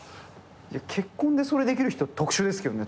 結婚でそれできる人特殊ですけどねたぶん。